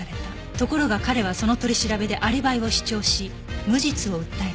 ところが彼はその取り調べでアリバイを主張し無実を訴えた